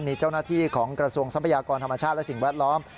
มีเจ้าหน้าที่ของกระทรวงทรัพยากรธรรมชาติและสิ่งแวดล้อม